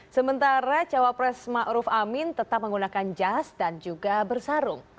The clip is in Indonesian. sementara cawapres ma'ruf amin tetap menggunakan jas dan juga bersarung